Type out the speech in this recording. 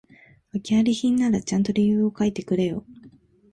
訳あり品ならちゃんと理由書いてくれよ